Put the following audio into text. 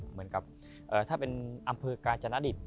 เหมือนกับถ้าเป็นอำเภอกาญจนดิต